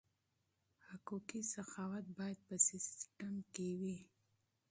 حقوقي سخاوت باید په سیستم کې وي.